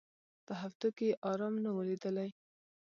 په هفتو کي یې آرام نه وو لیدلی